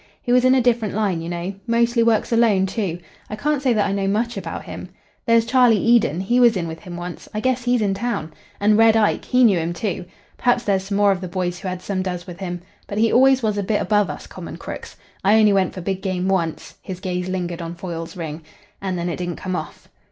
"He was in a different line, you know. Mostly works alone, too. I can't say that I know much about him. There's Charlie Eden, he was in with him once I guess he's in town. And Red Ike, he knew him, too. Perhaps there's some more of the boys who had some does with him. But he always was a bit above us common crooks. I only went for big game once," his gaze lingered on Foyle's ring, "and then it didn't come off."